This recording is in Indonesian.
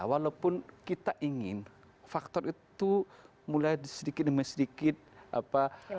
walaupun kita ingin faktor itu mulai sedikit demi sedikit apa